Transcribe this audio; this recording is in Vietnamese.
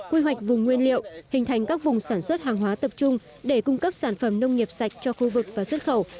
quy hoạch vùng nguyên liệu hình thành các vùng sản xuất hàng hóa tập trung để cung cấp sản phẩm nông nghiệp sạch cho khu vực và xuất khẩu